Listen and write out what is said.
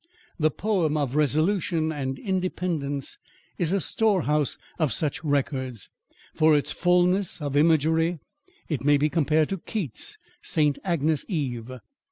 The poem of Resolution and Independence is a storehouse of such records: for its fulness of imagery it may be compared to Keats's Saint Agnes' Eve.